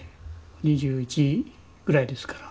２１ぐらいですから。